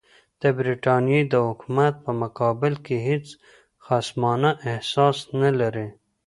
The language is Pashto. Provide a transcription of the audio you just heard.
د برټانیې د حکومت په مقابل کې هېڅ خصمانه احساس نه لري.